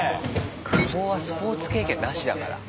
クボはスポーツ経験なしだから。